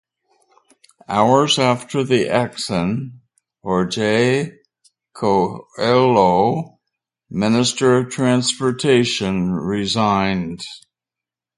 Hours after the accident, Jorge Coelho, Minister of Transportation, resigns.